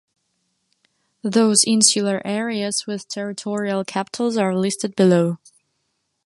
Those insular areas with territorial capitals are listed below.